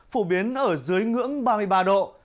phổ biến ở dưới ngưỡng ba mươi ba độ